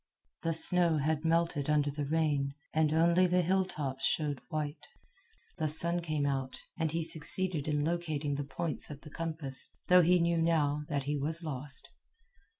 The snow had melted under the rain, and only the hilltops showed white. The sun came out, and he succeeded in locating the points of the compass, though he knew now that he was lost.